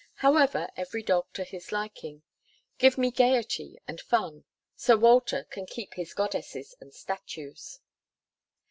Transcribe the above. However, every dog to his liking. Give me gaiety and fun Sir Walter can keep his goddesses and statues.